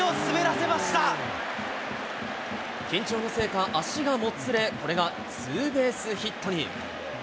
緊張のせいか、足がもつれ、これがツーベースヒットに。